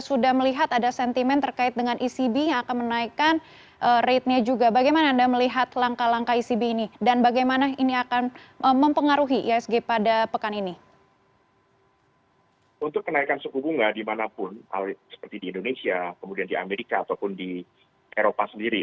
untuk kenaikan suku bunga dimanapun seperti di indonesia kemudian di amerika ataupun di eropa sendiri